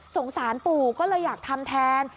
สารปู่ก็เลยอยากทำแทน